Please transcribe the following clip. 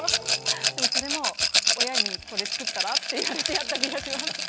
でもそれも親に、これ作ったら？と言われてやった気がします。